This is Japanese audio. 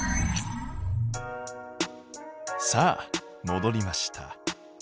さあもどりました。